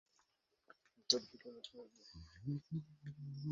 আমার পেছনে এসো!